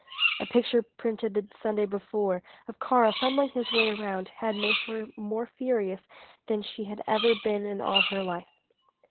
A picture printed the Sunday before, of Karl fumbling his way around, had made her more furious than she had ever been in all her life.